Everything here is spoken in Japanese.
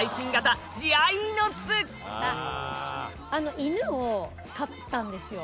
犬を飼ったんですよ。